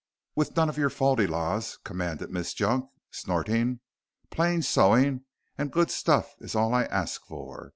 "With none of your fal de lals," commanded Miss Junk, snorting. "Plain sewing and good stuff is all I arsk for.